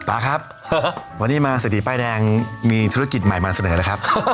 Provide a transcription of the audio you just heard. ตาครับวันนี้มาเศรษฐีป้ายแดงมีธุรกิจใหม่มาเสนอเลยครับ